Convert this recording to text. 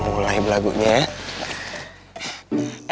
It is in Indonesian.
mulai belagunya ya